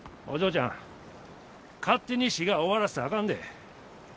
お嬢ちゃん勝手に滋賀終わらせたらあかんで。